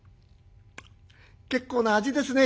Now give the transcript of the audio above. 結構な味ですね」。